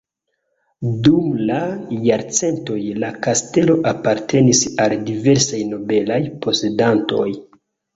Dum la jarcentoj la kastelo apartenis al diversaj nobelaj posedantoj.